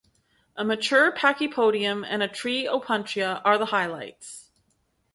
A mature Pachypodium and a tree Opuntia are the highlights.